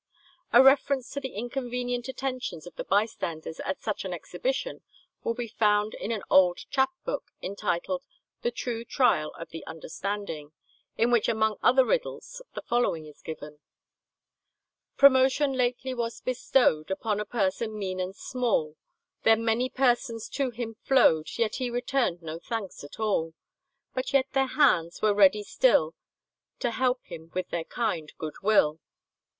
A reference to the inconvenient attentions of the bystanders at such an exhibition will be found in an old "Chap" book, entitled "The True Trial of the Understanding," in which among other riddles the following is given: "Promotion lately was bestowed Upon a person mean and small: Then many persons to him flowed, Yet he returned no thanks at all. But yet their hands were ready still To help him with their kind good will."